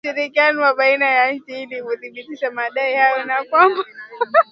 na ushirikiano wa baina ya nchi ili kuthibitisha madai hayo na kwamba